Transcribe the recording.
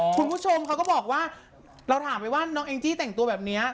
คุณผู้ชมเขาก็บอกว่าเราถามไปว่าน้องแองจี้แต่งตัวแบบนี้